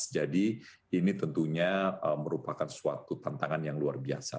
jadi ini tentunya merupakan suatu tantangan yang luar biasa